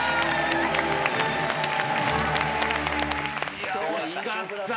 ・いや惜しかった。